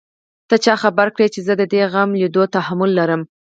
ته چا خبره کړې چې زه د دې غم ليدو تحمل لرم.